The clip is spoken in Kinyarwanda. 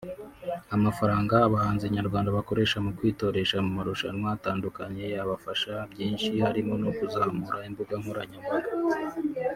Amafaranga abahanzi nyarwanda bakoresha mukwitoresha mu marushwa atandukanye yabafasha byinshi harimo no kuzamura imbuga nkoranya mbaga zabo